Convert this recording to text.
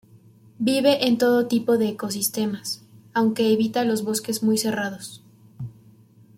Vive en todo tipo de ecosistemas, aunque evita los bosques muy cerrados.